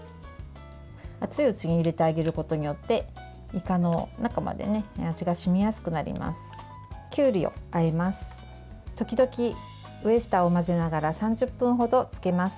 熱いうちに入れてあげることによっていかの中まで味が染みやすくなります。